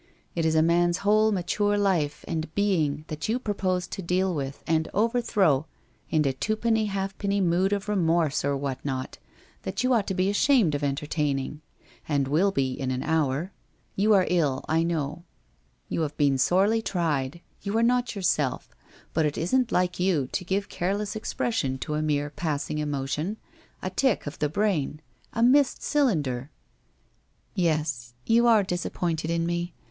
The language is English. It is a man's whole mature life and being that you propose to deal with and overthrow in a twopenny halfpenny mood of remorse or what not, that you ought WHITE ROSE OF WEARY LEAF 301 to be ashamed of entertaining — and will be in an hour. You are ill, I know, you have been sorely tried, you are not yourself, for it isn't like you to give careless expression to a mere passing emotion, a tic of the brain, a missed cylinder! ...'' Yes, you are disappointed in me.